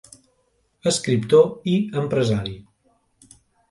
Escriptor i empresari.